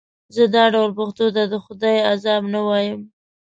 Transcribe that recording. زه دا ډول پېښو ته د خدای عذاب نه وایم.